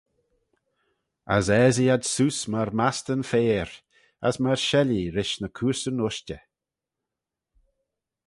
As aasee ad seose myr maste'yn faiyr, as myr shellee rish ny coorseyn-ushtey.